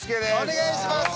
お願いします。